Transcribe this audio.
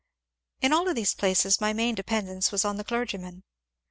In all of these places my main dependence was on the clergymen.